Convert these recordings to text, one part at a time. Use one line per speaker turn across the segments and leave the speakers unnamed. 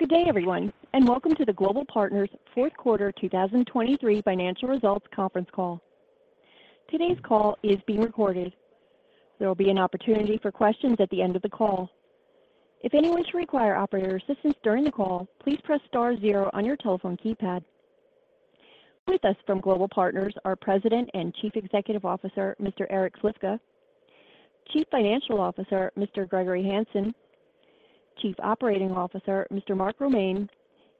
Good day, everyone, and welcome to the Global Partners Fourth Quarter 2023 Financial Results Conference Call. Today's call is being recorded. There will be an opportunity for questions at the end of the call. If anyone should require operator assistance during the call, please press star zero on your telephone keypad. With us from Global Partners are President and Chief Executive Officer, Mr. Eric Slifka, Chief Financial Officer, Mr. Gregory Hanson, Chief Operating Officer, Mr. Mark Romaine,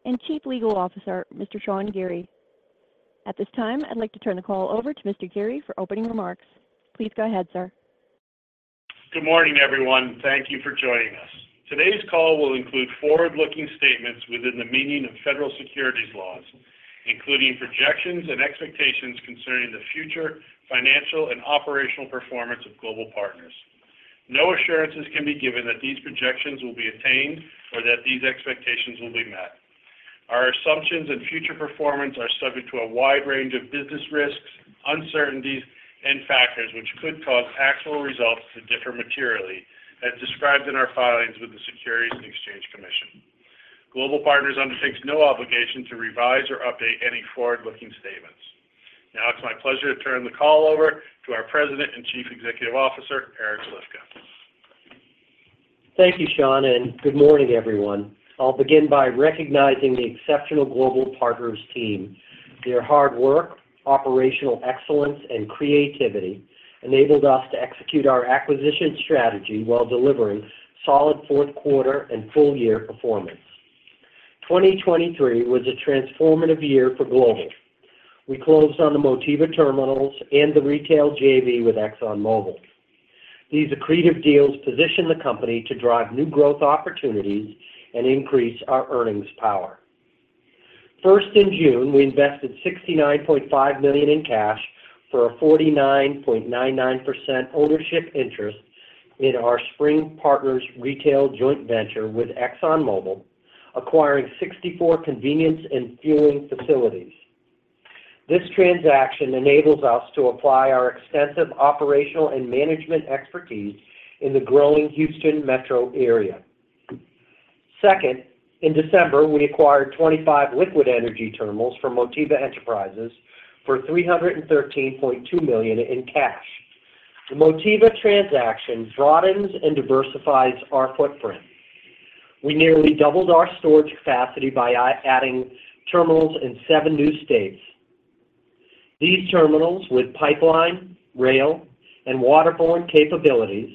and Chief Legal Officer, Mr. Sean Geary. At this time, I'd like to turn the call over to Mr. Geary for opening remarks. Please go ahead, sir.
Good morning, everyone. Thank you for joining us. Today's call will include forward-looking statements within the meaning of federal securities laws, including projections and expectations concerning the future financial and operational performance of Global Partners. No assurances can be given that these projections will be attained or that these expectations will be met. Our assumptions and future performance are subject to a wide range of business risks, uncertainties, and factors which could cause actual results to differ materially as described in our filings with the Securities and Exchange Commission. Global Partners undertakes no obligation to revise or update any forward-looking statements. Now it's my pleasure to turn the call over to our President and Chief Executive Officer, Eric Slifka.
Thank you, Sean, and good morning, everyone. I'll begin by recognizing the exceptional Global Partners team. Their hard work, operational excellence, and creativity enabled us to execute our acquisition strategy while delivering solid fourth quarter and full year performance. 2023 was a transformative year for Global. We closed on the Motiva terminals and the retail JV with ExxonMobil. These accretive deals position the company to drive new growth opportunities and increase our earnings power. First, in June, we invested $69.5 million in cash for a 49.99% ownership interest in our Spring Partners retail joint venture with ExxonMobil, acquiring 64 convenience and fueling facilities. This transaction enables us to apply our extensive operational and management expertise in the growing Houston metro area. Second, in December, we acquired 25 liquid energy terminals from Motiva Enterprises for $313.2 million in cash. The Motiva transaction broadens and diversifies our footprint. We nearly doubled our storage capacity by adding terminals in seven new states. These terminals, with pipeline, rail, and waterborne capabilities,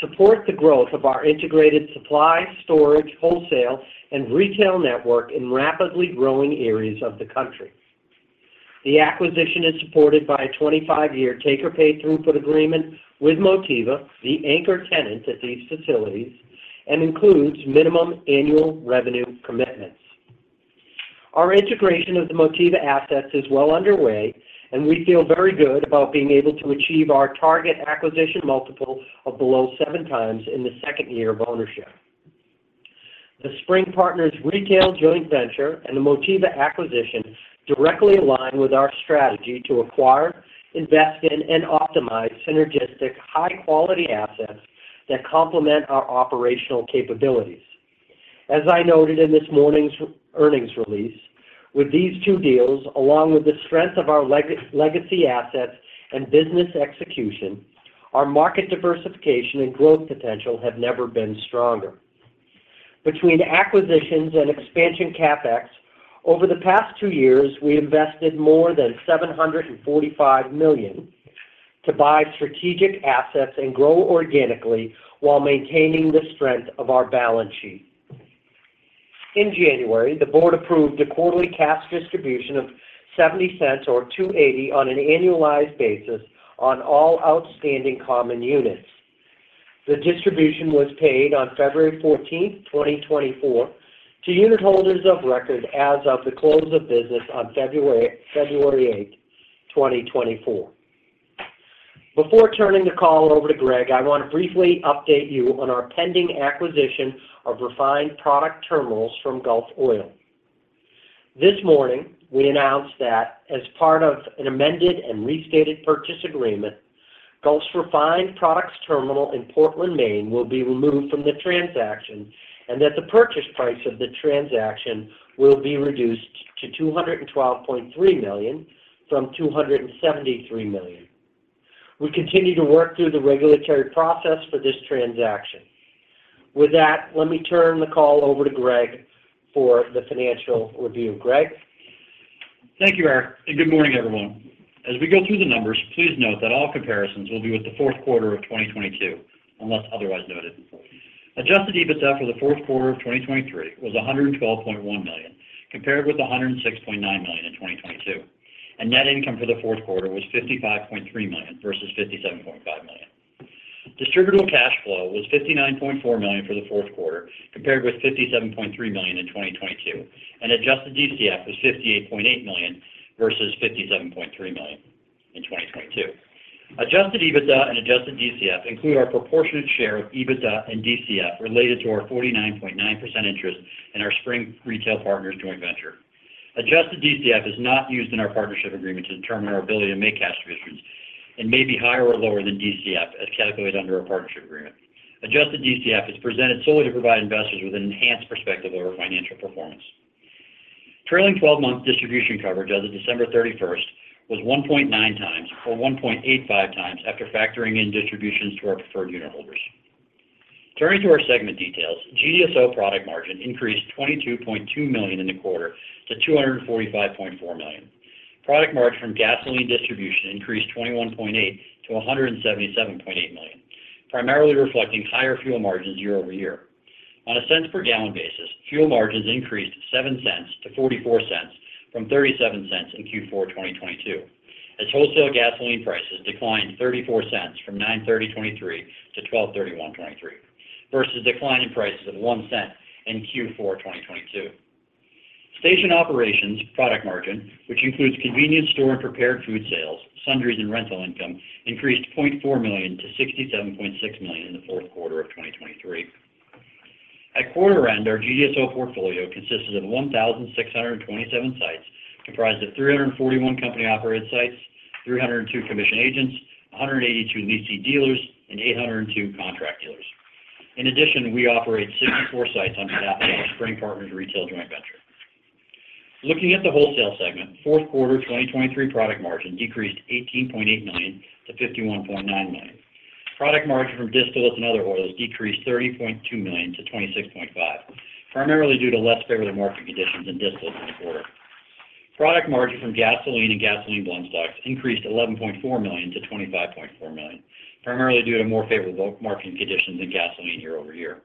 support the growth of our integrated supply, storage, wholesale, and retail network in rapidly growing areas of the country. The acquisition is supported by a 25-year take-or-pay throughput agreement with Motiva, the anchor tenant at these facilities, and includes minimum annual revenue commitments. Our integration of the Motiva assets is well underway, and we feel very good about being able to achieve our target acquisition multiple of below 7x in the second year of ownership. The Spring Partners retail joint venture and the Motiva acquisition directly align with our strategy to acquire, invest in, and optimize synergistic, high-quality assets that complement our operational capabilities. As I noted in this morning's earnings release, with these two deals, along with the strength of our legacy assets and business execution, our market diversification and growth potential have never been stronger. Between acquisitions and expansion CapEx, over the past two years, we invested more than $745 million to buy strategic assets and grow organically while maintaining the strength of our balance sheet. In January, the board approved a quarterly cash distribution of $0.70, or $2.80 on an annualized basis, on all outstanding common units. The distribution was paid on February 14, 2024, to unitholders of record as of the close of business on February eighth, 2024. Before turning the call over to Greg, I want to briefly update you on our pending acquisition of refined product terminals from Gulf Oil. This morning, we announced that as part of an amended and restated purchase agreement, Gulf Oil's refined products terminal in Portland, Maine, will be removed from the transaction and that the purchase price of the transaction will be reduced to $212.3 million from $273 million. We continue to work through the regulatory process for this transaction. With that, let me turn the call over to Greg for the financial review. Greg?
Thank you, Eric, and good morning, everyone. As we go through the numbers, please note that all comparisons will be with the fourth quarter of 2022, unless otherwise noted. Adjusted EBITDA for the fourth quarter of 2023 was $112.1 million, compared with $106.9 million in 2022, and net income for the fourth quarter was $55.3 million versus $57.5 million. Distributable cash flow was $59.4 million for the fourth quarter, compared with $57.3 million in 2022, and adjusted DCF was $58.8 million versus $57.3 million in 2022. Adjusted EBITDA and adjusted DCF include our proportionate share of EBITDA and DCF related to our 49.9% interest in our Spring Retail Partners joint venture. Adjusted DCF is not used in our partnership agreement to determine our ability to make cash distributions, and may be higher or lower than DCF as calculated under our partnership agreement. Adjusted DCF is presented solely to provide investors with an enhanced perspective of our financial performance. Trailing twelve-month distribution coverage as of December 31 was 1.9x, or 1.85x, after factoring in distributions to our preferred unitholders. Turning to our segment details, GSO product margin increased $22.2 million in the quarter to $245.4 million. Product margin from gasoline distribution increased $21.8 to $177.8 million, primarily reflecting higher fuel margins year-over-year. On a cents per gallon basis, fuel margins increased $0.07 to $0.44 from $0.37 in Q4 2022, as wholesale gasoline prices declined $0.34 from 9/30/2023 to 12/31/2023, versus a decline in prices of $0.01 in Q4 2022. Station operations product margin, which includes convenience store and prepared food sales, sundries and rental income, increased $0.4 million to $67.6 million in the fourth quarter of 2023. At quarter end, our GSO portfolio consisted of 1,627 sites, comprised of 341 company-operated sites, 302 commission agents, 182 lessee dealers, and 802 contract dealers. In addition, we operate 64 sites on behalf of our Spring Partners retail joint venture. Looking at the wholesale segment, fourth quarter 2023 product margin decreased $18.8 million to $51.9 million. Product margin from distillates and other oils decreased $30.2 million to $26.5 million, primarily due to less favorable market conditions in distillates in the quarter. Product margin from gasoline and gasoline blend stocks increased $11.4 million to $25.4 million, primarily due to more favorable marketing conditions in gasoline year-over-year.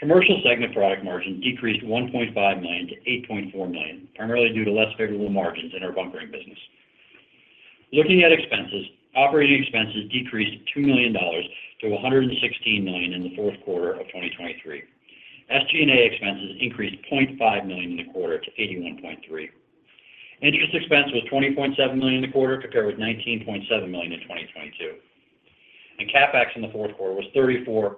Commercial segment product margin decreased $1.5 million to $8.4 million, primarily due to less favorable margins in our bunkering business. Looking at expenses, operating expenses decreased $2 million to $116 million in the fourth quarter of 2023. SG&A expenses increased $0.5 million in the quarter to $81.3 million. Interest expense was $20.7 million in the quarter, compared with $19.7 million in 2022. CapEx in the fourth quarter was $34.1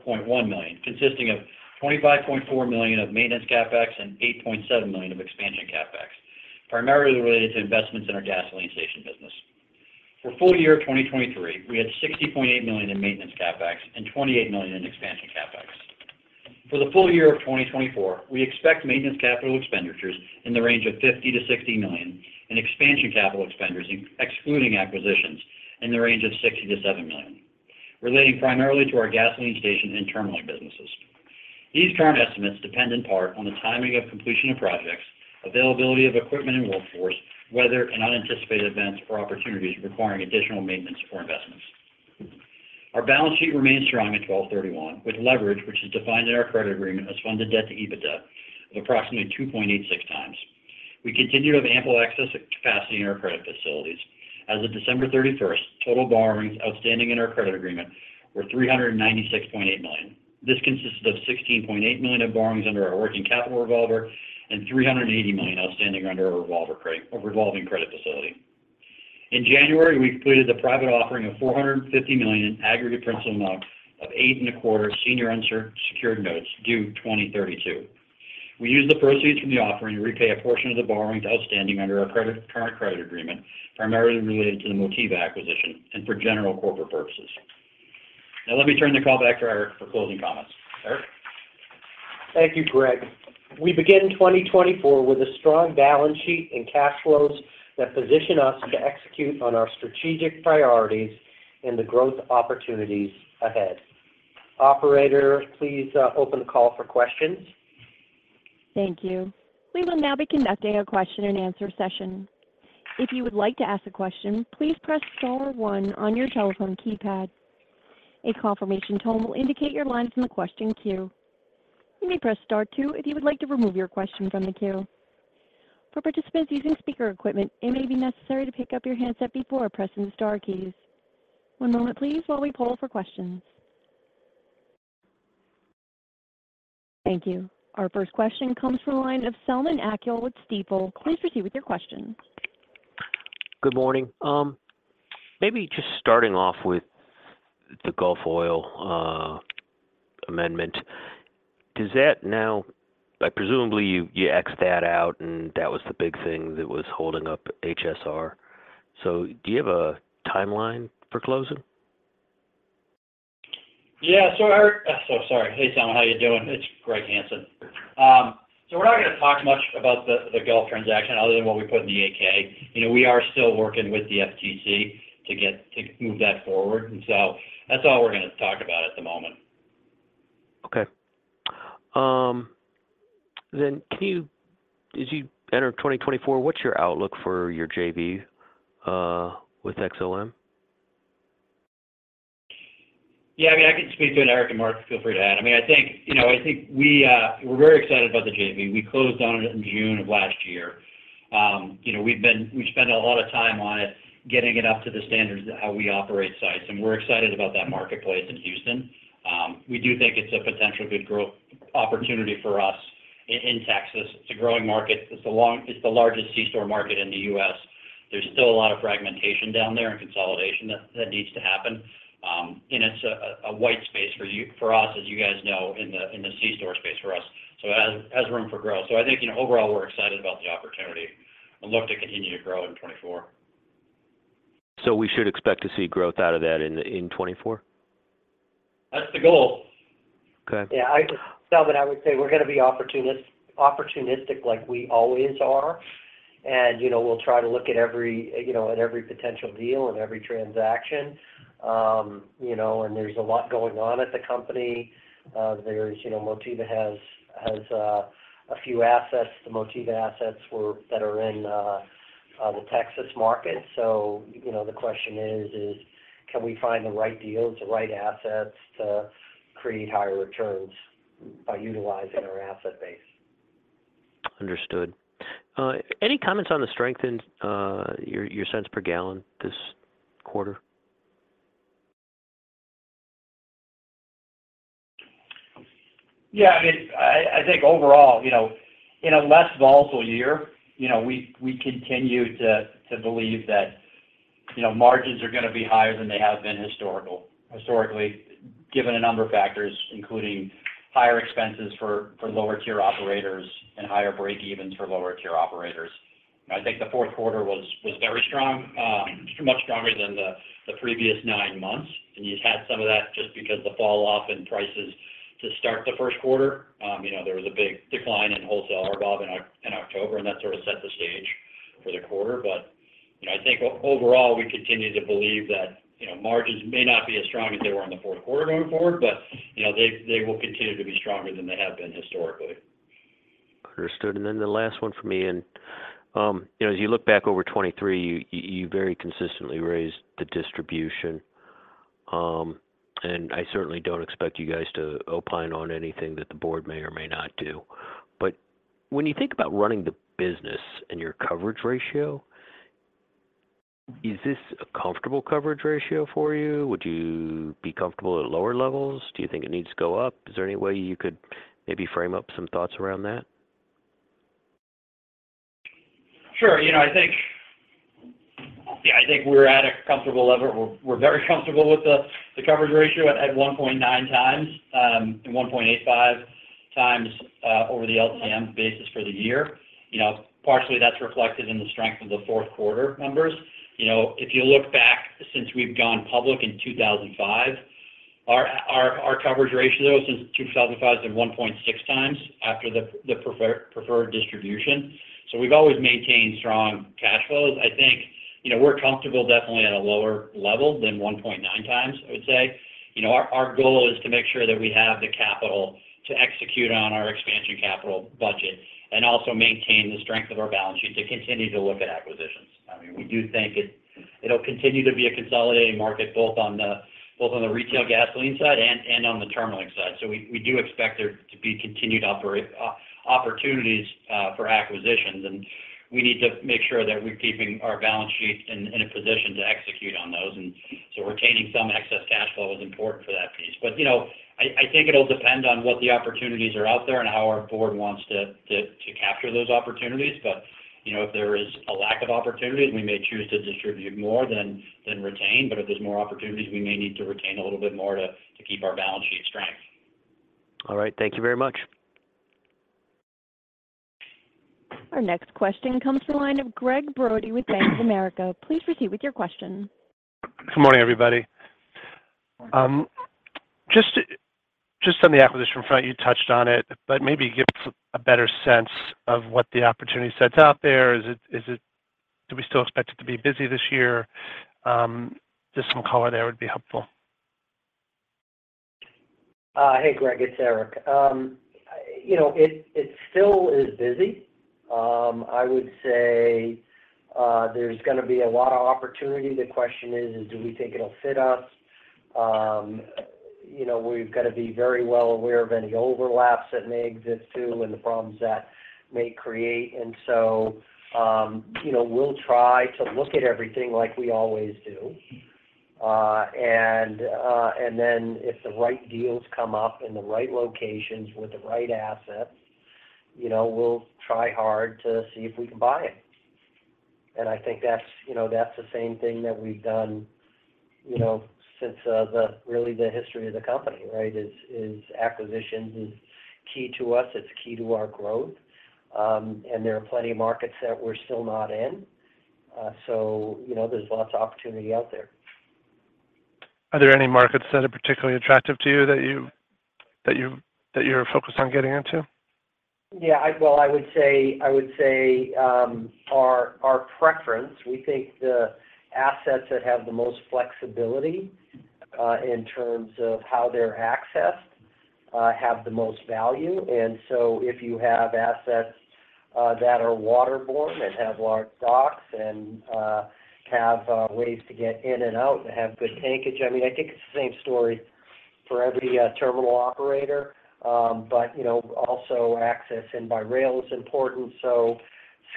million, consisting of $25.4 million of maintenance CapEx and $8.7 million of expansion CapEx, primarily related to investments in our gasoline station business. For full year of 2023, we had $60.8 million in maintenance CapEx and $28 million in expansion CapEx. For the full year of 2024, we expect maintenance capital expenditures in the range of $50 million-$60 million, and expansion capital expenditures, excluding acquisitions, in the range of $60 million-$70 million, relating primarily to our gasoline station and terminal businesses. These current estimates depend in part on the timing of completion of projects, availability of equipment and workforce, weather and unanticipated events or opportunities requiring additional maintenance or investments. Our balance sheet remains strong at December 31, with leverage, which is defined in our credit agreement, as funded debt-to-EBITDA of approximately 2.86x. We continue to have ample access to capacity in our credit facilities. As of December 31st, total borrowings outstanding in our credit agreement were $396.8 million. This consisted of $16.8 million of borrowings under our working capital revolver and $380 million outstanding under our revolving credit facility. In January, we completed the private offering of $450 million in aggregate principal amount of 8.25% senior unsecured notes due 2032. We used the proceeds from the offering to repay a portion of the borrowings outstanding under our current credit agreement, primarily related to the Motiva acquisition and for general corporate purposes. Now, let me turn the call back to Eric for closing comments. Eric?
Thank you, Greg. We begin 2024 with a strong balance sheet and cash flows that position us to execute on our strategic priorities and the growth opportunities ahead. Operator, please, open the call for questions.
Thank you. We will now be conducting a question-and-answer session. If you would like to ask a question, please press star one on your telephone keypad. A confirmation tone will indicate your line is in the question queue. You may press star two if you would like to remove your question from the queue. For participants using speaker equipment, it may be necessary to pick up your handset before pressing the star keys. One moment, please, while we poll for questions. Thank you. Our first question comes from the line of Selman Akyol with Stifel. Please proceed with your question.
Good morning. Maybe just starting off with the Gulf Oil amendment, does that now—presumably, you X'd that out, and that was the big thing that was holding up HSR. So do you have a timeline for closing?
Yeah. So, Eric... So sorry. Hey, Selman, how you doing? It's Gregory Hanson. So we're not going to talk much about the Gulf transaction other than what we put in the 8-K. You know, we are still working with the FTC to get to move that forward, and so that's all we're gonna talk about at the moment.
Okay. Then, can you, as you enter 2024, what's your outlook for your JV with XOM?
Yeah, I mean, I can speak to it, Eric, and Mark, feel free to add. I mean, I think, you know, I think we, we're very excited about the JV. We closed on it in June of last year. You know, we've spent a lot of time on it, getting it up to the standards of how we operate sites, and we're excited about that marketplace in Houston. We do think it's a potentially good growth opportunity for us in Texas. It's a growing market. It's the largest C-store market in the U.S. There's still a lot of fragmentation down there and consolidation that needs to happen. And it's a wide space for us, as you guys know, in the C-store space for us, so it has room for growth. I think, you know, overall, we're excited about the opportunity and look to continue to grow in 2024.
We should expect to see growth out of that in 2024?
That's the goal.
Okay.
Yeah, so but I would say we're gonna be opportunistic like we always are. And, you know, we'll try to look at every, you know, at every potential deal and every transaction. You know, and there's a lot going on at the company. You know, Motiva has a few assets, the Motiva assets, that are in the Texas market. So, you know, the question is: Can we find the right deals, the right assets to create higher returns by utilizing our asset base?
Understood. Any comments on the strength in your cents per gallon this quarter?
Yeah, I mean, I think overall, you know, in a less volatile year, you know, we continue to believe that, you know, margins are gonna be higher than they have been historically, given a number of factors, including higher expenses for lower-tier operators and higher breakevens for lower-tier operators. I think the fourth quarter was very strong, much stronger than the previous nine months. And you had some of that just because the falloff in prices to start the first quarter. You know, there was a big decline in wholesale RBOB in October, and that sort of set the stage for the quarter. But, you know, I think overall, we continue to believe that, you know, margins may not be as strong as they were in the fourth quarter going forward, but, you know, they, they will continue to be stronger than they have been historically.
Understood. And then the last one for me, and, you know, as you look back over 2023, you very consistently raised the distribution. And I certainly don't expect you guys to opine on anything that the board may or may not do. But when you think about running the business and your coverage ratio, is this a comfortable coverage ratio for you? Would you be comfortable at lower levels? Do you think it needs to go up? Is there any way you could maybe frame up some thoughts around that?
Sure. You know, I think... Yeah, I think we're at a comfortable level. We're very comfortable with the coverage ratio at 1.9x and 1.85x over the LTM basis for the year. You know, partially, that's reflected in the strength of the fourth quarter numbers. You know, if you look back since we've gone public in 2005, our coverage ratio since 2005 is 1.6x after the preferred distribution. So we've always maintained strong cash flows. I think, you know, we're comfortable definitely at a lower level than 1.9x, I would say. You know, our goal is to make sure that we have the capital to execute on our expansion capital budget and also maintain the strength of our balance sheet to continue to look at acquisitions. I mean, we do think it'll continue to be a consolidating market, both on the retail gasoline side and on the terminal side. So we do expect there to be continued opportunities for acquisitions, and we need to make sure that we're keeping our balance sheets in a position to execute on those. And so retaining some excess cash flow is important for that piece. But, you know, I think it'll depend on what the opportunities are out there and how our board wants to capture those opportunities. But, you know, if there is a lack of opportunities, we may choose to distribute more than retain, but if there's more opportunities, we may need to retain a little bit more to keep our balance sheet strength.
All right. Thank you very much.
Our next question comes from the line of Gregg Brody with Bank of America. Please proceed with your question.
Good morning, everybody. Just, just on the acquisition front, you touched on it, but maybe give us a better sense of what the opportunity set's out there. Is it, is it... Do we still expect it to be busy this year? Just some color there would be helpful.
Hey, Gregg, it's Eric. You know, it still is busy. I would say, there's gonna be a lot of opportunity. The question is, do we think it'll fit us? You know, we've got to be very well aware of any overlaps that may exist too, and the problems that may create. And so, you know, we'll try to look at everything like we always do. And then if the right deals come up in the right locations with the right assets, you know, we'll try hard to see if we can buy it. And I think that's, you know, that's the same thing that we've done, you know, since the really the history of the company, right? Acquisitions is key to us, it's key to our growth. There are plenty of markets that we're still not in. You know, there's lots of opportunity out there.
Are there any markets that are particularly attractive to you, that you're focused on getting into?
Yeah, well, I would say, our preference, we think the assets that have the most flexibility in terms of how they're accessed have the most value. And so if you have assets that are waterborne, that have large docks and have ways to get in and out and have good tankage, I mean, I think it's the same story for every terminal operator. But you know, also access by rail is important. So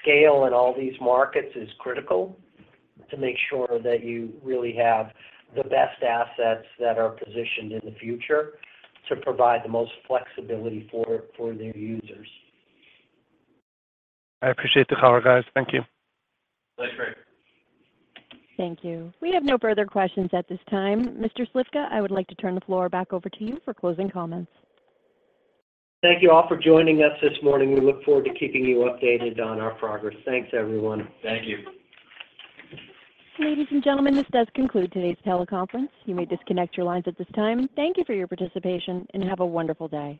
scale in all these markets is critical to make sure that you really have the best assets that are positioned in the future to provide the most flexibility for their users.
I appreciate the color, guys. Thank you.
Thanks, Gregg.
Thank you. We have no further questions at this time. Mr. Slifka, I would like to turn the floor back over to you for closing comments.
Thank you all for joining us this morning. We look forward to keeping you updated on our progress. Thanks, everyone.
Thank you.
Ladies and gentlemen, this does conclude today's teleconference. You may disconnect your lines at this time. Thank you for your participation, and have a wonderful day.